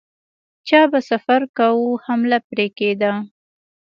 چا به سفر کاوه حمله پرې کېده.